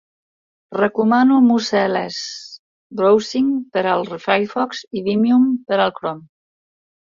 Recomano Mouseless Browsing per al Firefox i Vimium per al Chrome.